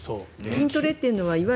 筋トレというのは。